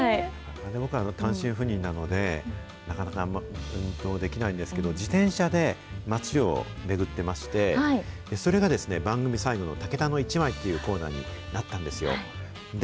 僕、単身赴任なので、なかなか運動できないんですけど、自転車で街を巡ってまして、それが番組最後のタケタのイチマイってコーナーになったんですよ。